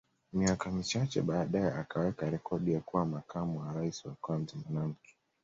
Miaka michache baadae akaweka rekodi ya kuwa makamu wa Rais wa kwanza mwanamke